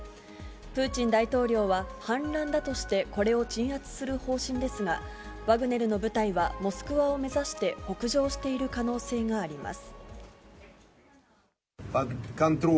プーチン大統領は、反乱だとしてこれを鎮圧する方針ですが、ワグネルの部隊は、モスクワを目指して北上している可能性があります。